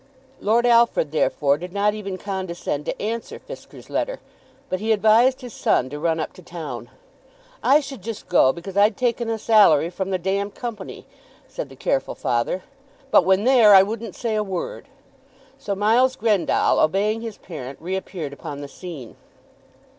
Lord Alfred, therefore, did not even condescend to answer Fisker's letter; but he advised his son to run up to town. "I should just go, because I'd taken a salary from the d Company," said the careful father, "but when there I wouldn't say a word." So Miles Grendall, obeying his parent, reappeared upon the scene.